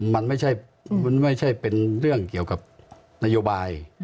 มันไม่ใช่เป็นเรื่องเกี่ยวกับนโยบาย